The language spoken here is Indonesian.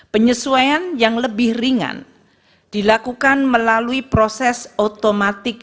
penyesuaian yang lebih ringan dilakukan melalui proses otomatik